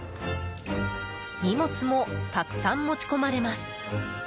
荷物もたくさん持ち込まれます。